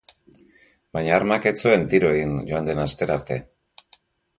Baina armak ez zuen tiro egin joan den astera arte.